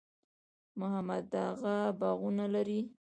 محمد اغه باغونه لري؟